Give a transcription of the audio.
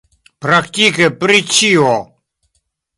Praktike pri ĉio.